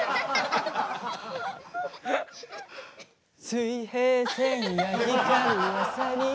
「水平線が光る朝に」